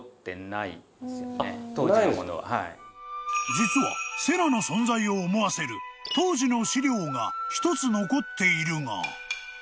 ［実は瀬名の存在を思わせる当時の資料が１つ残っているが］